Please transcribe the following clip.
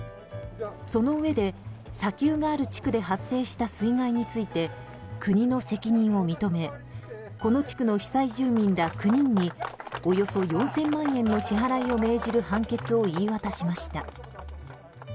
そのうえで砂丘がある地区で発生した水害について国の責任を認めこの地区の被災住民ら９人におよそ４０００万円の支払いを命じる判決を言い渡しました。